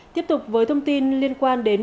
tiếp tục với thông tin liên quan đến